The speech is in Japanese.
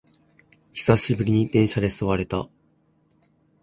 久しぶりに電車で座れた